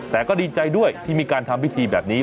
แต่ก็ดีใจด้วยที่มีการทำพิธีแบบนี้